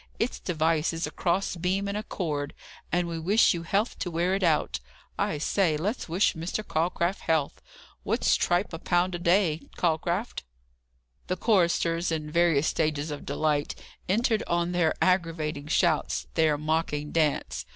Its device is a cross beam and a cord, and we wish you health to wear it out! I say, let's wish Mr. Calcraft health! What's tripe a pound to day, Calcraft?" The choristers, in various stages of delight, entered on their aggravating shouts, their mocking dance.